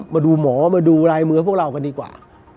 มาดูหมอมาดูลายมือพวกเรากันดีกว่า